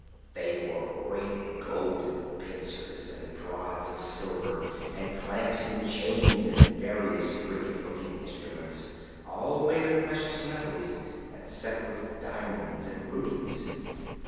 They bore great golden pincers, and prods of silver, and clamps and chains and various wicked looking instruments, all made of precious metals and set with diamonds and rubies.